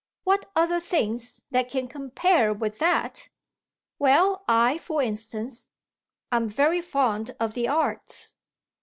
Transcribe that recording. "What other things that can compare with that?" "Well, I for instance, I'm very fond of the arts."